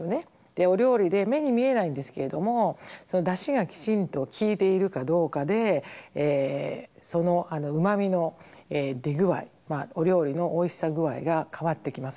お料理で目に見えないんですけれども出汁がきちんときいているかどうかでそのうまみの出具合お料理のおいしさ具合が変わってきます。